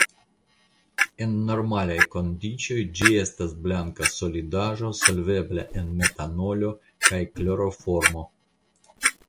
En normalaj kondiĉoj ĝi estas blanka solidaĵo solvebla en metanolo kaj kloroformo.